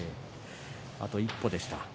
あと一歩でした。